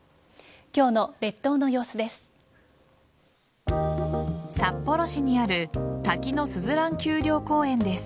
今日の列島の様子です。